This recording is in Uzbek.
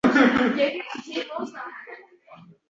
Judo qilgan edilar.